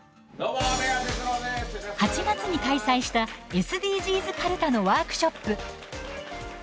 ８月に開催した「ＳＤＧｓかるた」のワークショップ。